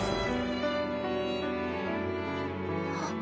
あっ。